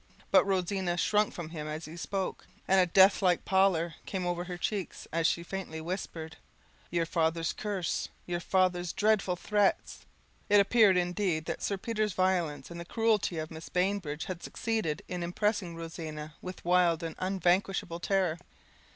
But Rosina shrunk from him as he spoke, and a death like pallor came over her cheek, as she faintly whispered, 'Your father's curse your father's dreadful threats!" It appeared, indeed, that Sir Peter's violence, and the cruelty of Mrs. Bainbridge, had succeeded in impressing Rosina with wild and unvanquishable terror.